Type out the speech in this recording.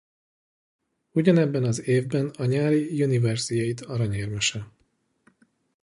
Ugyanebben az évben a nyári Universiade aranyérmese.